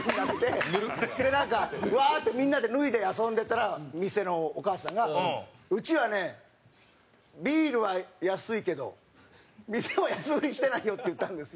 なんか、ワーッてみんなで脱いで遊んでたら店のお母さんが「うちはね、ビールは安いけど店は安売りしてないよ」って言ったんですよ。